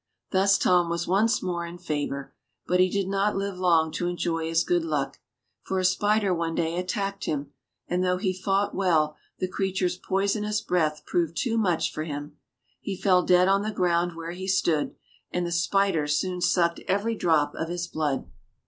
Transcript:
Thus Tom was once more in favour ; but he did not live long to enjoy his good luck, for a spider one day attacked him, and though he fought well, the creature's poisonous breath proved too much for him ; he fell dead on the ground where he stood, and the spider soon sucked every drop of his blood.